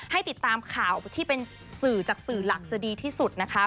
ให้ติดตามข่าวที่เป็นสื่อจากสื่อหลักจะดีที่สุดนะคะ